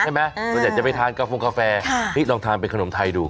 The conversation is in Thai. ส่วนใหญ่จะไปทานกาโฟงกาแฟนี่ลองทานเป็นขนมไทยดู